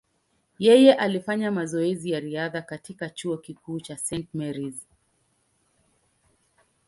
Yeye alifanya mazoezi ya riadha katika chuo kikuu cha St. Mary’s.